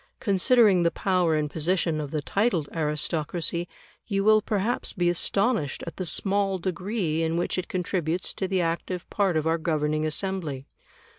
Considering the power and position of the titled aristocracy, you will perhaps be astonished at the small degree in which it contributes to the active part of our governing assembly.